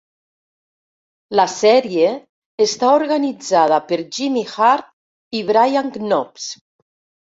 La sèrie està organitzada per Jimmy Hart i Brian Knobs.